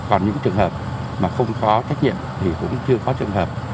còn những trường hợp mà không có trách nhiệm thì cũng chưa có trường hợp